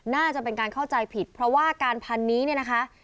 น่าจะเป็นการเข้าใจผิดเพราะว่าการพันนี้เนี่ยนะคะ